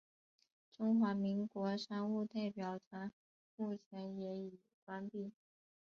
中华民国商务代表团目前也已关闭。